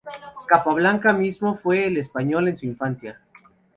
Capablanca mismo fue español en su infancia.